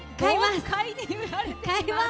豪快に売られています。